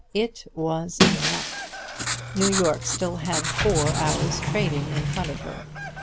It was enough. New York had still four hours' trading in front of her.